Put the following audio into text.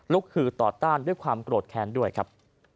คือต่อต้านด้วยความโกรธแค้นด้วยครับ